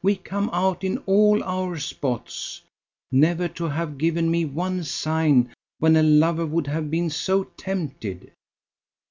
We come out in all our spots. Never to have given me one sign, when a lover would have been so tempted!